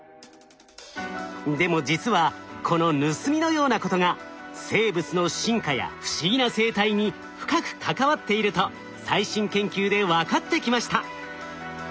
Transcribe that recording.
でも実はこの盗みのようなことが生物の進化や不思議な生態に深く関わっていると最新研究で分かってきました。